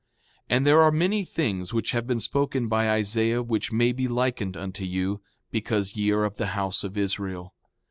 And there are many things which have been spoken by Isaiah which may be likened unto you, because ye are of the house of Israel.